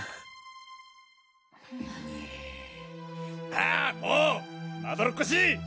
あもまどろっこしい！